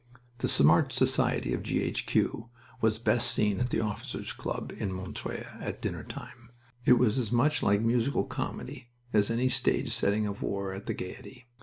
The smart society of G. H. Q. was best seen at the Officers' Club in Montreuil, at dinner time. It was as much like musical comedy as any stage setting of war at the Gaiety.